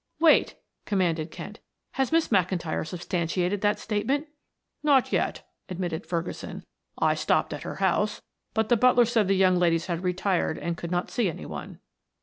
"Wait," commanded Kent. "Has Miss McIntyre substantiated that statement?" "Not yet," admitted Ferguson. "I stopped at her house, but the butler said the young ladies had retired and could not see any one."